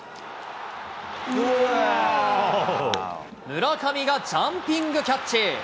村上がジャンピングキャッチ。